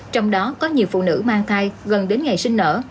trong đó có nhiều phụ nữ mang thai gần đến ngày sinh nở